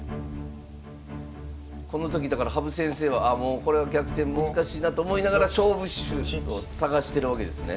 この時だから羽生先生はああもうこれは逆転難しいなと思いながら勝負手を探してるわけですね？